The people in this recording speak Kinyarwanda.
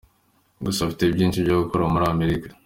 Gusa afite byinshi byo gukora muri Amerika.